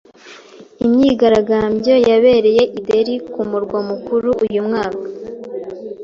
imyigaragabyo yabereye i Delhi ku murwa mukuru uyu mwaka.